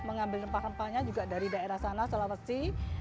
mengambil rempah rempahnya juga dari daerah sana sulawesi